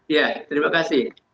ya terima kasih